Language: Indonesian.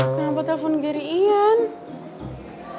kenapa telfon gary ian